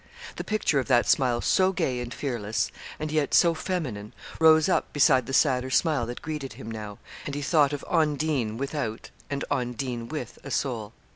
The picture of that smile so gay and fearless, and yet so feminine, rose up beside the sadder smile that greeted him now, and he thought of Ondine without and Ondine with a soul.